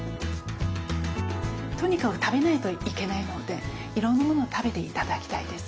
とにかく食べないといけないのでいろんなものを食べて頂きたいです。